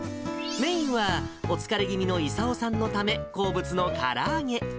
メインはお疲れ気味の勲さんのため、好物のから揚げ。